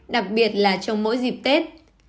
đặc biệt là trong mỗi dịp tết